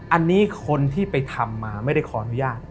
อันนี้คนที่ไปทำมาไม่ได้ขออนุญาต